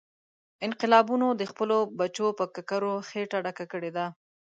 انقلابونو د خپلو بچو په ککرو خېټه ډکه کړې ده.